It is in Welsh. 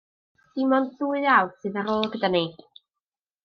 Dim ond dwy awr sydd ar ôl gyda ni.